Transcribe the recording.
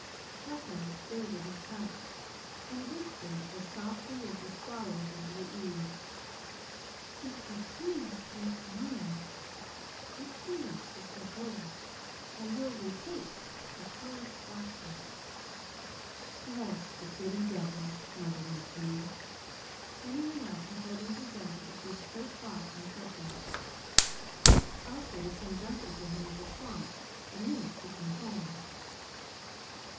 Freckles stirred at his touch, and whispered as softly as the swallows under the eaves: "If you're coming this way tomorrow be pleased to step over and we'll repate the chorus softly!" "Bless the gritty devil," muttered McLean. Then he went out and told Mrs. Duncan to keep close watch on Freckles, also to send Duncan to him at the swamp the minute he came home.